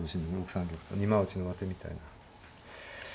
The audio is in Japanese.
６三玉と二枚落ちの上手みたいな。